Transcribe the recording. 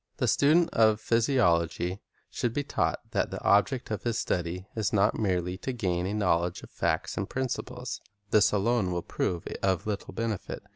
The student of physiology should be taught that the object of his study is not merely to gain a knowl edge of facts and principles. This alone will prove of little benefit.